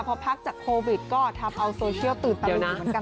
พอพักจากโควิดก็ทำเอาโซเชียลตื่นตาตื่นเหมือนกัน